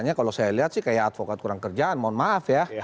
ya kalau saya lihat sih kayak advokat kurang kerjaan mohon maaf ya